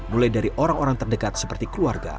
mulai dari orang orang terdekat seperti keluarga